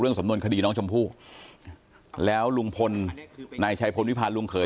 เรื่องสำนวนคดีน้องชมพู่แล้วลุงพลนายชายพลวิพันธ์ลุงเขย